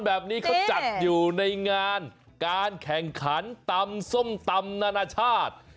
แบบนี้เขาจัดอยู่ในงานการแข่งขันตำส้มตำนานาชาติ